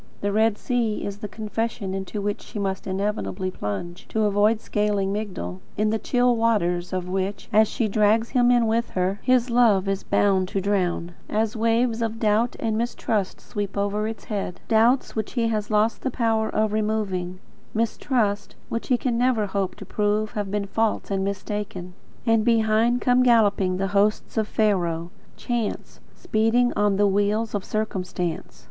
The Red Sea is the confession into which she must inevitably plunge, to avoid scaling Migdol; in the chill waters of which, as she drags him in with her, his love is bound to drown, as waves of doubt and mistrust sweep over its head, doubts which he has lost the power of removing; mistrust which he can never hope to prove to have been false and mistaken. And behind come galloping the hosts of Pharaoh; chance, speeding on the wheels of circumstance.